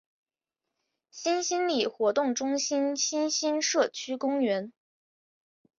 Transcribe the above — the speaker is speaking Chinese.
新兴里活动中心新兴社区公园